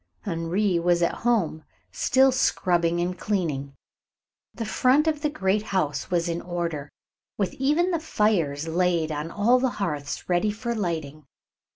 Henri was at home, still scrubbing and cleaning. The front of the great house was in order, with even the fires laid on all the hearths ready for lighting.